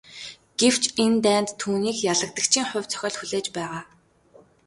Гэвч энэ дайнд түүнийг ялагдагчийн хувь зохиол хүлээж байгаа.